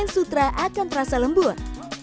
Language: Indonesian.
sutra akan terasa lembut